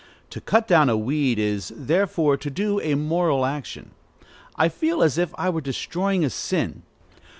To cut down a weed is, therefore, to do a moral action. I feel as if I were destroying a sin.